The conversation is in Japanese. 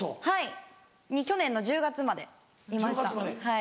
はい去年の１０月までいました。